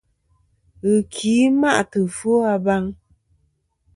Ghɨki ma'tɨ ɨfwo a baŋ.